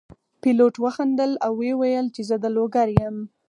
پیلوټ وخندل او وویل چې زه د لوګر یم.